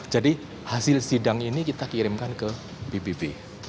jadi hasil sidang ini kita kirimkan ke pbb